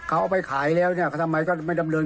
เขาเอาไปขายแล้วเนี่ยทำไมก็ไม่ดำเนิน